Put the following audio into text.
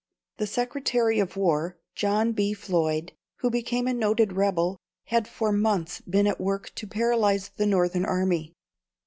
The Secretary of War, John B. Floyd, who became a noted rebel, had for months been at work to paralyse the Northern army.